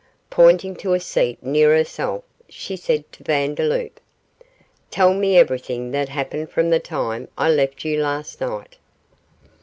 Pointing to a seat near herself she said to Vandeloup 'Tell me everything that happened from the time I left you last night.